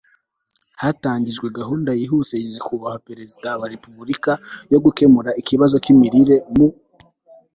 hatangijwe gahunda yihuse ya nyakubahwa perezida wa repubulika yo gukemura ikibazo cy'imirire mu